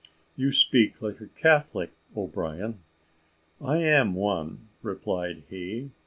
"You speak like a Catholic, O'Brien." "I am one," replied he.